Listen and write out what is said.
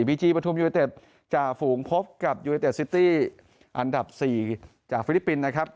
ีจีปฐุมยูเนเต็ดจ่าฝูงพบกับยูเนเต็ดซิตี้อันดับ๔จากฟิลิปปินส์นะครับ